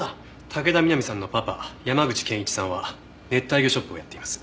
武田美波さんのパパ山口健一さんは熱帯魚ショップをやっています。